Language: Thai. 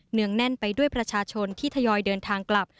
งแน่นไปด้วยประชาชนที่ทยอยเดินทางกลับ